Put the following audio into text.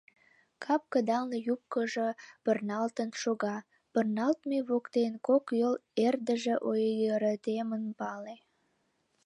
Кап кыдалне юбкыжо пырналтын шога, пырналтме воктен кок йол эрдыже ойыртемын пале.